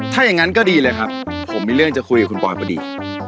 ถ้าอย่างนั้นก็ดีเลยครับผมมีเรื่องจะคุยกับคุณปอยพอดี